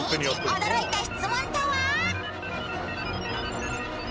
驚いた質問とは？